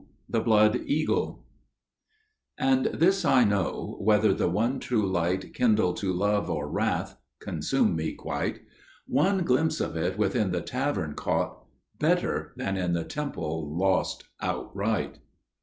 The Blood Eagle "And this I know: whether the one True Light Kindle to Love or Wrath––consume me quite, One glimpse of It within the Tavern caught Better than in the Temple lost outright."